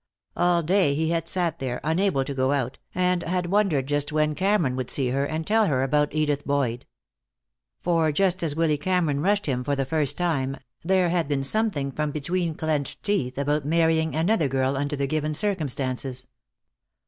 All day he had sat there, unable to go out, and had wondered just when Cameron would see her and tell her about Edith Boyd. For, just as Willy Cameron rushed him for the first time, there had been something from between clenched teeth about marrying another girl, under the given circumstances.